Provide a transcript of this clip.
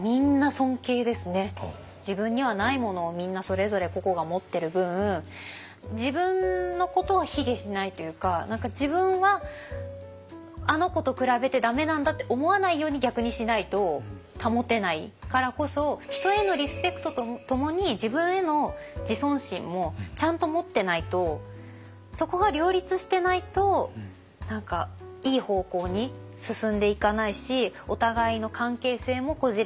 自分にはないものをみんなそれぞれ個々が持ってる分自分のことを卑下しないというか何か自分はあの子と比べて駄目なんだって思わないように逆にしないと保てないからこそ人へのリスペクトとともに自分への自尊心もちゃんと持ってないとそこが両立してないと何かいい方向に進んでいかないしお互いの関係性もこじれていっちゃう。